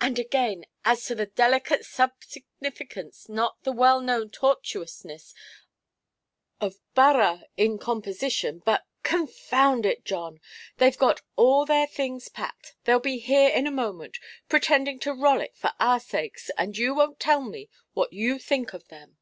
"And again, as to the delicate sub–significance, not the well–known tortuousness of παρά in composition, but——" "Confound it, John. Theyʼve got all their things packed. Theyʼll be here in a moment, pretending to rollick for our sakes; and you wonʼt tell me what you think of them".